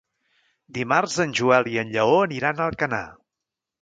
Dimarts en Joel i en Lleó aniran a Alcanar.